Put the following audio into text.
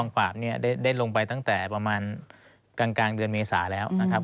ปราบเนี่ยได้ลงไปตั้งแต่ประมาณกลางเดือนเมษาแล้วนะครับ